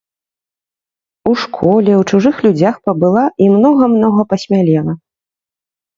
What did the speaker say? У школе, у чужых людзях пабыла і многа-многа пасмялела.